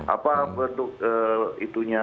apa bentuk itunya